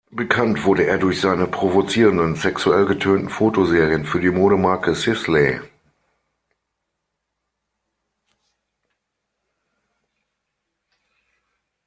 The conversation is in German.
Bekannt wurde er durch seine provozierenden, sexuell getönten Fotoserien für die Modemarke Sisley.